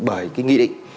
bởi cái nghị định